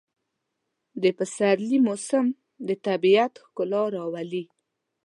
د پسرلي موسم د طبیعت ښکلا راوړي.